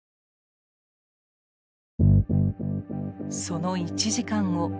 その１時間後。